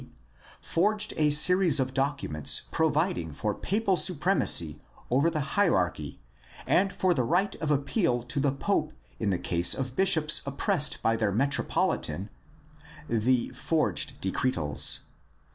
d., forged a series of documents providing for papal supremacy over the hier archy and for the right of appeal to the pope in the case of bishops oppressed by their metropolitan (the forged decretals)